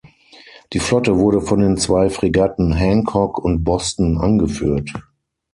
Die Flotte wurde von den zwei Fregatten „Hancock“ und „Boston“ angeführt.